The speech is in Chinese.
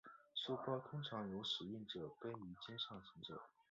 书包通常由使用者背于肩上行走。